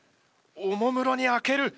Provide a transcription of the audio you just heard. おもむろに開ける。